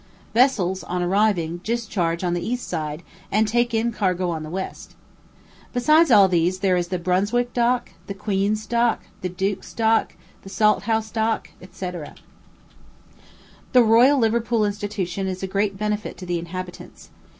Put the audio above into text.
Vessels, on arriving, discharge on the east side, and take in cargo on the west. Besides all these there is the Brunswick dock, Queen's dock, Duke's dock, Salthouse dock, &c. The Royal Liverpool Institution is a great benefit to the inhabitants.